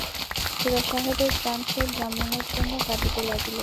খুড়াসাহেবের প্রাণ সেই ব্রাহ্মণের জন্য কাঁদিতে লাগিল।